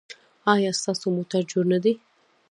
ایا ستاسو موټر جوړ نه دی؟